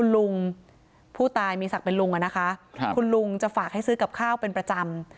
ลุงผู้ตายมีศักดิ์เป็นลุงอะนะคะคุณลุงจะฝากให้ซื้อกับข้าวเป็นประจำ